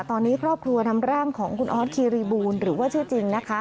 ตอนนี้ครอบครัวนำร่างของคุณออสคีรีบูลหรือว่าชื่อจริงนะคะ